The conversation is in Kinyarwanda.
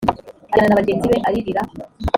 ajyana na bagenzi be aririra